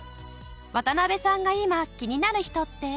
渡部さんが今気になる人って？